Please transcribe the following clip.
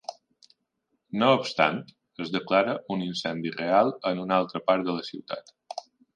No obstant, es declara un incendi real en una altra part de la ciutat.